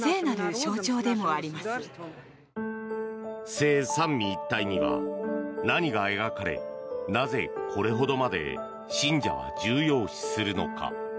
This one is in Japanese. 「聖三位一体」には何が描かれなぜ、これほどまで信者は重要視するのか。